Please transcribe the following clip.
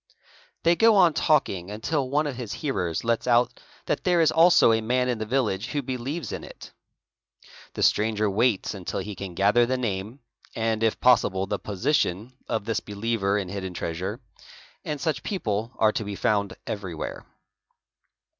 They go on talking until one a of his hearers lets out that there is also a man in the village who believes i in it. The stranger waits until he can gather the name, and if possible he position, of this believer in hidden treasure—and such people are to ¢ found everywhere.